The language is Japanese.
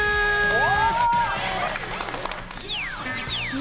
お！